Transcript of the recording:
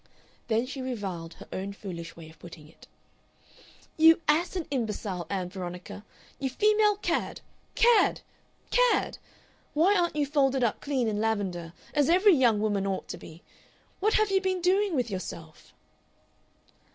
Then she reviled her own foolish way of putting it. "You ass and imbecile, Ann Veronica! You female cad! Cad! Cad!... Why aren't you folded up clean in lavender as every young woman ought to be? What have you been doing with yourself?..."